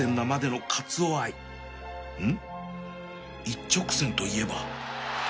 一直線と言えば